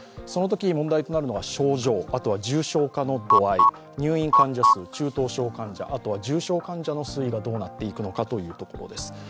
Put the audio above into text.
そのとき問題となるのが症状、あとは重症化の度合い、入院患者数、中等症患者あとは重症患者の推移がどうなっていくのかというところです。